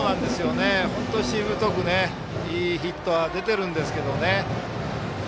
本当にしぶとくいいヒット出てるんですけどね。